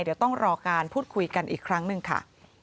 เดี๋ยวต้องรอการพูดคุยกันอีกครั้งหนึ่งค่ะ